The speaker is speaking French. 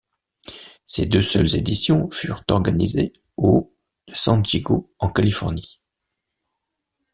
Ces deux seules éditions furent organisées au de San Diego en Californie.